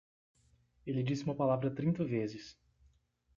Ele disse uma palavra trinta vezes.